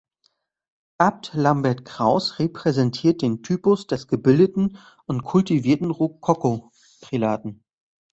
Abt Lambert Kraus repräsentiert den Typus des gebildeten und kultivierten Rokoko-Prälaten.